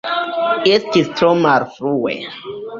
Estis tro malfrue.